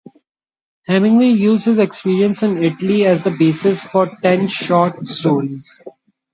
Hemingway used his experiences in Italy as the basis for ten short stories.